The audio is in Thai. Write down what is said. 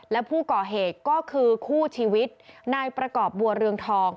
และผู้ก่อเหตุก็คือคู่ชีวิตนายประกอบบัวเรืองทอง